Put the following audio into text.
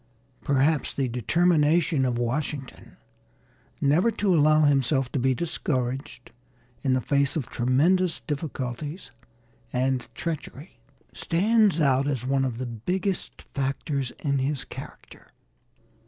Perhaps the determination of Washington never to allow himself to be discouraged in the face of tremendous difficulties and treachery stands out as one of the biggest factors in his character.